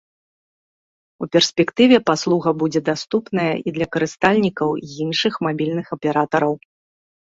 У перспектыве паслуга будзе даступная і для карыстальнікаў іншых мабільных аператараў.